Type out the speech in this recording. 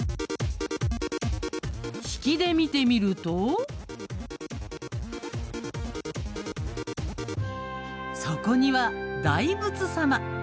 ヒキで見てみるとそこには大仏様。